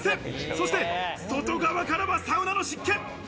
そして外側からはサウナの湿気！